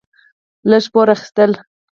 لږ پور اخيستل: